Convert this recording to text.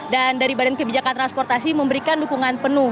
dan dari badan kebijakan transportasi memberikan dukungan penuh